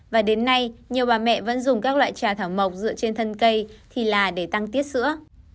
và đến nay nhiều bà mẹ vẫn dùng các loại trà thảo mộc dựa trên thân cây thì là để tăng tiết sữa